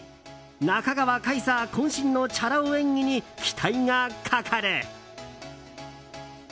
中川皇帝渾身のチャラ男演技に期待がかかる。